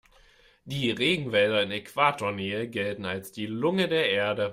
Die Regenwälder in Äquatornähe gelten als die Lunge der Erde.